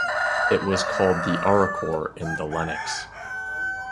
It was called the "arachor" in the Lennox.